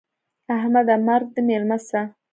احمده! مرګ دې مېلمه سه.